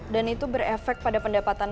dan itu berefek pada pendapatan